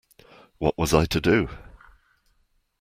What was I to do?